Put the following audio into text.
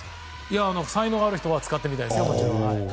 才能がある人は使ってみたいですね。